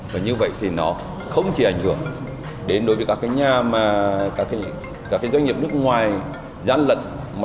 và như vậy thì nó không chỉ ảnh hưởng đến đối với các doanh nghiệp nước ngoài gian lận mà